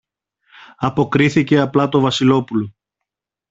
αποκρίθηκε απλά το Βασιλόπουλο